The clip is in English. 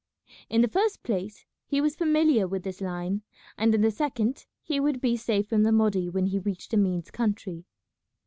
In the first place he was familiar with this line, and in the second he would be safe from the Mahdi when he reached Emin's country.